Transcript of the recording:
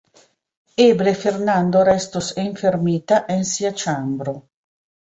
Eble Fernando restos enfermita en sia ĉambro.